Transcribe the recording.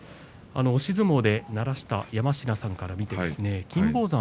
押し相撲で鳴らした山科さんから見て金峰山